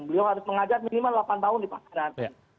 beliau harus mengajar minimal delapan tahun di pasaran